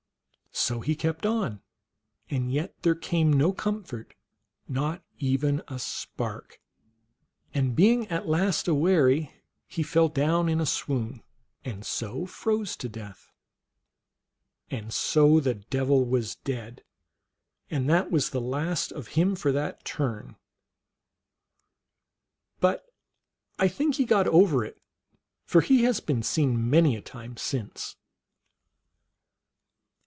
So he kept on, and yet there came no comfort, not even a 174 THE ALGONQUIN LEGENDS. spark ; and being at last aweary he fell down in a cwpon, and so froze to death. And so the Devil was dead, and that was the last of him for that turn ; but I think he got over it, for he has been seen many a time since.